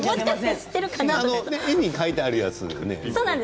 絵に描いてあるやつだよね。